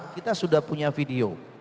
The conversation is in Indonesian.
kita sudah punya video